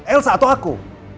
elsa atau aku